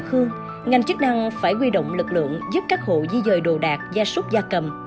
nước ngập nhà dân ngành chức năng phải huy động lực lượng giúp các hộ di dời đồ đạc gia súc gia cầm